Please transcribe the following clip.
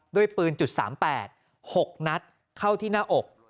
ด้วยปืน๓๘๖นัดเข้าที่หน้าอก